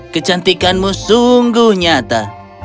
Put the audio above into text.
kecantikanmu sungguh nyata